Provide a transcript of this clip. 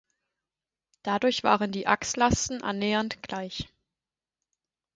Dadurch waren die Achslasten annähernd gleich.